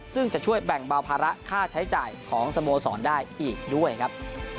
ซึ่งจะช่วยแบ่งเบาภาระค่าใช้จ่ายของสโมสรได้อีกด้วยครับ